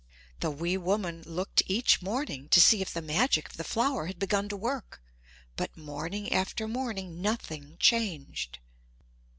The wee woman looked each morning to see if the magic of the flower had begun to work but morning after morning nothing changed.